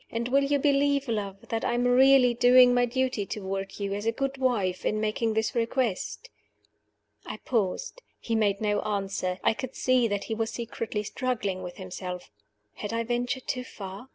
And will you believe, love, that I am really doing my duty toward you, as a good wife, in making this request?" I paused. He made no answer: I could see that he was secretly struggling with himself. Had I ventured too far?